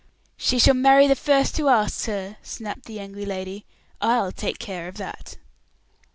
"She shall marry the first who asks her," snapped the angry lady; "I'll take care of that."